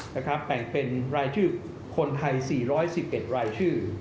แบ่งเป็นรายชื่อคนไทย๔๑๑รายชื่อ